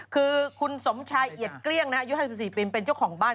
คือคุณสมชายเอียดเกลี้ยงอายุ๕๔ปีเป็นเจ้าของบ้าน